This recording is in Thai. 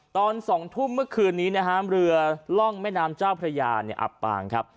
ตอน๒ทุ่มเมื่อคืนนี้นะฮะเรือล่องแม่น้ำเจ้าพระยาเนี่ยอับปางครับ